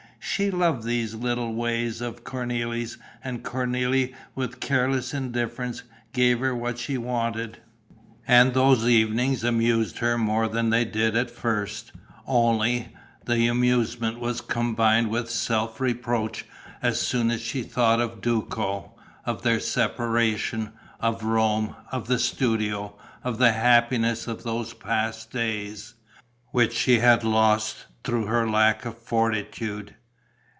She loved these little ways of Cornélie's; and Cornélie, with careless indifference, gave her what she wanted. And those evenings amused her more than they did at first; only, the amusement was combined with self reproach as soon as she thought of Duco, of their separation, of Rome, of the studio, of the happiness of those past days, which she had lost through her lack of fortitude.